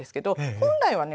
本来はね